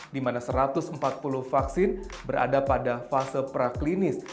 di mana satu ratus empat puluh vaksin berada pada fase praklinis